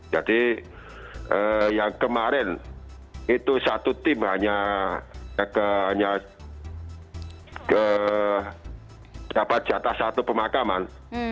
jadi yang kemarin itu satu tim hanya dapat jatah satu pemakaman